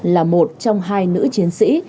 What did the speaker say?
là một trong hai nữ chiến sĩ